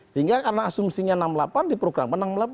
sehingga karena asumsinya enam puluh delapan di program enam puluh delapan